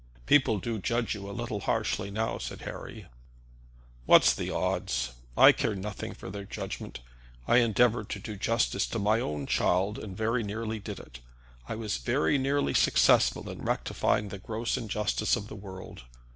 "People do judge you a little harshly now," said Harry. "What's the odd's? I care nothing for their judgment; I endeavored to do justice to my own child, and very nearly did it. I was very nearly successful in rectifying the gross injustice of the world.